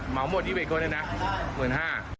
หม่อหมดอีเวกก็ได้นะ๑๕คน